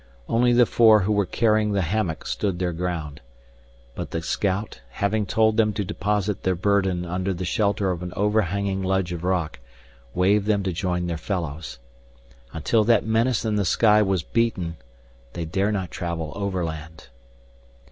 Only the four who were carrying the hammock stood their ground. But the scout, having told them to deposit their burden under the shelter of an overhanging ledge of rock, waved them to join their fellows. Until that menace in the sky was beaten, they dare not travel overland.